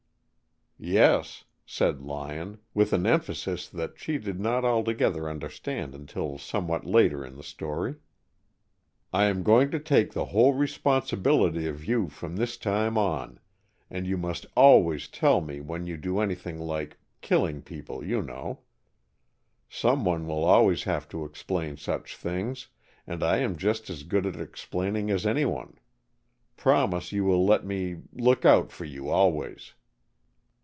"Yes," said Lyon, with an emphasis that she did not altogether understand until somewhat later in the story. "I am going to take the whole responsibility of you from this time on, and you must always tell me when you do anything like killing people, you know. Someone will always have to explain such things, and I am just as good at explaining as anyone. Promise you will let me look out for you always."